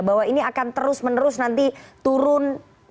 bahwa ini akan terus menerus nanti turun